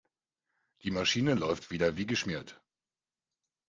Die Maschine läuft wieder wie geschmiert.